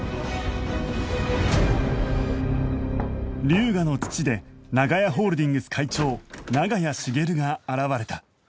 龍河の父で長屋ホールディングス会長長屋茂が現れた